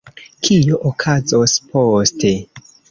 Kio okazos poste?